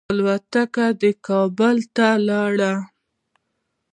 الوتکه کې کابل ته ولاړم.